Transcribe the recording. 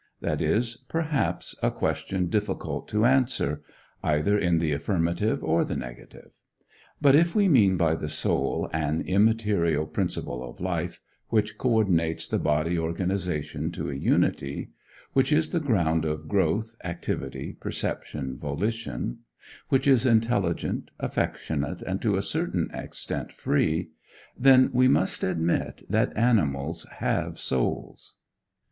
that is, perhaps, a question difficult to answer either in the affirmative or the negative. But if we mean by the soul an immaterial principle of life, which coördinates the bodily organization to a unity; which is the ground of growth, activity, perception, volition; which is intelligent, affectionate, and to a certain extent free; then we must admit that animals have souls.